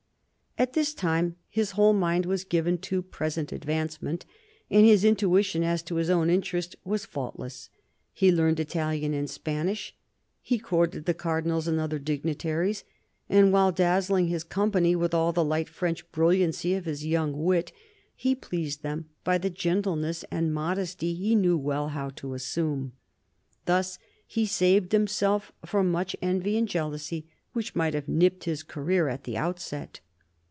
At this time, his whole mind was given to present advancement, and his intuition as to his own interest was faultless. He learned Italian and Spanish, he courted the Cardinals and other dignitaries, and while dazzling his company with all the light French brilliancy of his young wit, he pleased them by the gentleness and modesty he knew well how to assume. Thus he saved himself from much envy and jealousy which might have nipped his career at the outset.